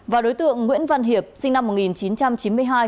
và đối tượng nguyễn văn hiệp sinh năm một nghìn chín trăm chín mươi hai